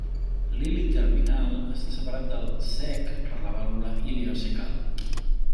L'ili terminal està separat del cec per la vàlvula ileocecal.